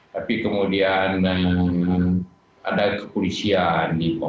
tapi kemudian ada kepolisian